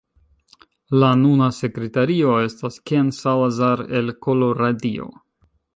La nuna sekretario estas Ken Salazar el Koloradio.